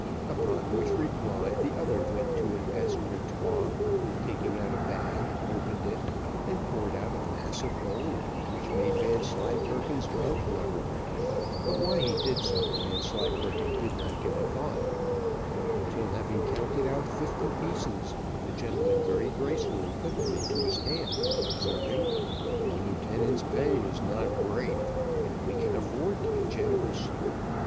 Upon which reply, the other went to an escritoire, and taking out a bag, opened it and poured out a mass of gold, which made Vanslyperken's mouth water, but why he did so Vanslyperken did not give a thought, until having counted out fifty pieces, the gentleman very gracefully put them into his hand, observing, "A lieutenant's pay is not great, and we can afford to be generous.